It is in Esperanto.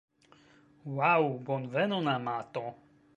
Ŭaŭ, bonvenon amato